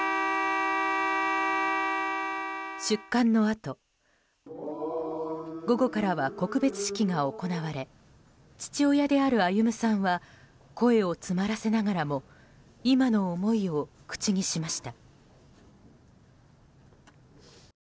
出棺のあと午後からは告別式が行われ父親である歩さんは声を詰まらせながらも今の思いを口にしました。